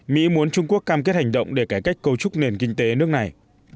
mỹ muốn trung quốc cam kết hành động để cải cách cấu trúc nền kinh tế nước này